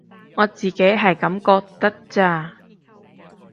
我自己係噉覺得咋